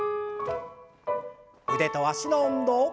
腕と脚の運動。